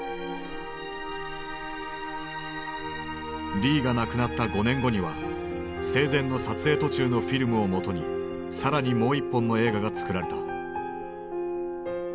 リーが亡くなった５年後には生前の撮影途中のフィルムをもとに更にもう一本の映画が作られた。